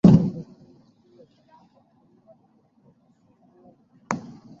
na ghasia zinazohusiana na duru la pili la uchaguzi wa rais